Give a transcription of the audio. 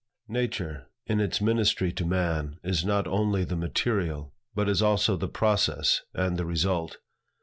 Nature, in its ministry to man, is not only the material, but is also the process and the result.